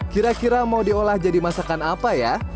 kira kira mau diolah jadi masakan apa ya